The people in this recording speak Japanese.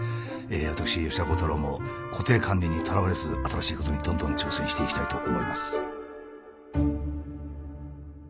私吉田鋼太郎も固定観念にとらわれず新しいことにどんどん挑戦していきたいと思います。